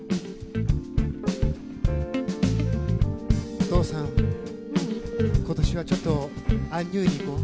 お父さん今年はちょっとアンニュイにいこう。